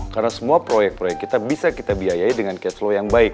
karena semua proyek proyek kita bisa kita biayai dengan cash flow yang baik